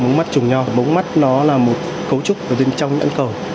mống mắt trùng nhau mống mắt đó là một cấu trúc ở bên trong những cầu